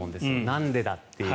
なんでだという。